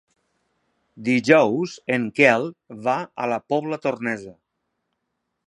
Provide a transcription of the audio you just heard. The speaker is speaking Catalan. Dijous en Quel va a la Pobla Tornesa.